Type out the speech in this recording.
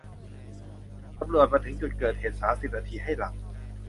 ตำรวจมาถึงจุดเกิดเหตุสามสิบนาทีให้หลัง